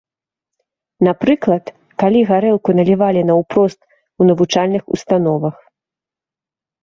Напрыклад, калі гарэлку налівалі наўпрост у навучальных установах.